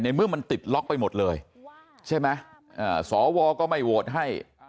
เมื่อมันติดล็อกไปหมดเลยใช่ไหมสวก็ไม่โหวตให้